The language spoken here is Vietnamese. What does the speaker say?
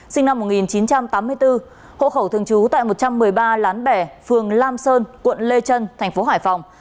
sinh năm một nghìn chín trăm tám mươi bốn hộ khẩu thường trú tại một trăm một mươi ba lán bẻ phường lam sơn quận lê trân thành phố hải phòng